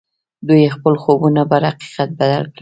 دوی خپل خوبونه پر حقيقت بدل کړل.